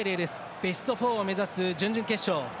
ベスト４を目指す準々決勝。